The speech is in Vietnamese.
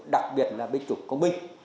đặc biệt là binh chủ công minh